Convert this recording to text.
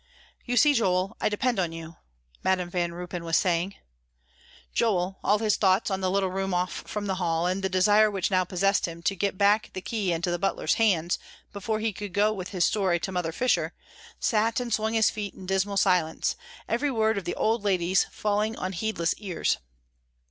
"You see, Joel, I depend on you," Madam Van Ruypen was saying. Joel, all his thoughts on the little room off from the hall, and the desire which now possessed him to get back the key into the butler's hands before he could go with his story to Mother Fisher, sat and swung his feet in dismal silence, every word of the old lady's falling on heedless ears.